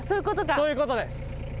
そういうことです。